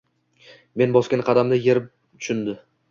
Men bosgan qadamni yerim tushundi